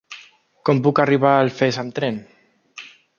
Com puc arribar a Alfés amb tren?